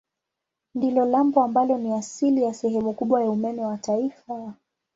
Ndilo lambo ambalo ni asili ya sehemu kubwa ya umeme wa taifa.